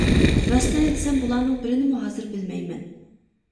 راستىنى دېسەم بۇلارنىڭ بىرىنىمۇ ھازىر بىلمەيمەن.